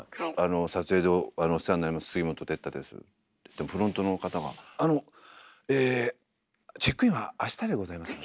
「撮影でお世話になります杉本哲太です」って言ってもフロントの方が「あのえチェックインはあしたでございます」。